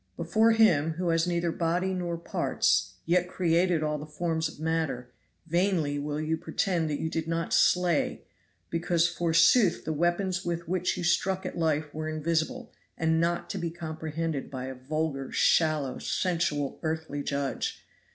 Before Him, who has neither body nor parts, yet created all the forms of matter, vainly will you pretend that you did not slay, because forsooth the weapons with which you struck at life were invisible and not to be comprehended by a vulgar, shallow, sensual, earthly judge.